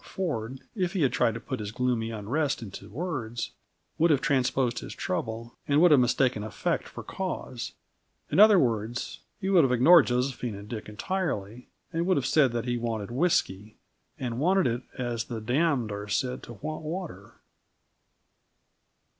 Ford, if he had tried to put his gloomy unrest into words, would have transposed his trouble and would have mistaken effect for cause. In other words, he would have ignored Josephine and Dick entirely, and would have said that he wanted whisky and wanted it as the damned are said to want water.